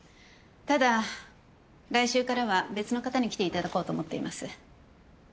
ただ来週からは別の方に来ていただこうと思っています。